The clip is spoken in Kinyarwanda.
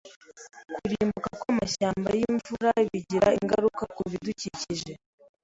Kurimbuka kwamashyamba yimvura bigira ingaruka kubidukikije.